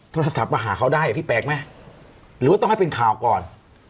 โทรศัพท์มาหาเขาได้อ่ะพี่แปลกไหมหรือว่าต้องให้เป็นข่าวก่อน